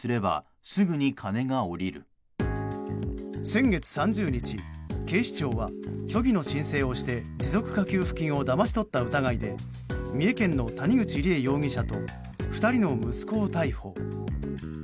先月３０日、警視庁は虚偽の申請をして持続化給付金をだまし取った疑いで三重県の谷口梨恵容疑者と２人の息子を逮捕。